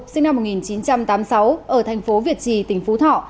sinh năm một nghìn chín trăm tám mươi sáu ở thành phố việt trì tỉnh phú thọ